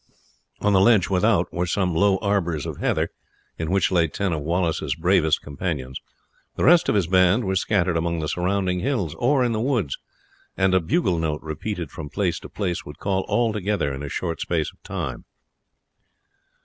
On the ledge without were some low arbours of heather in which lay ten of Wallace's bravest companions; the rest of his band were scattered among the surrounding hills, or in the woods, and a bugle note repeated from place to place would call all together in a short space of time.